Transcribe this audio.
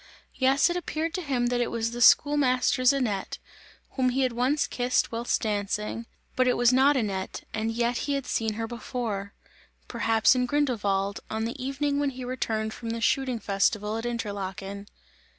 Yes, it appeared to him that it was the schoolmaster's Annette, whom he had once kissed whilst dancing; but it was not Annette and yet he had seen her before perhaps in Grindelwald, on the evening when he returned from the shooting festival at Interlaken.